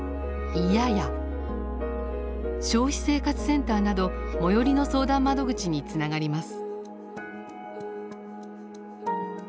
消費生活センターなど最寄りの相談窓口につながります。